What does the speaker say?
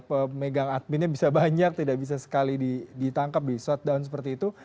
pemegang adminnya bisa banyak tidak bisa sekali ditangkap di shutdown seperti itu